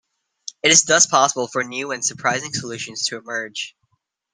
It is thus possible for new and surprising solutions to emerge.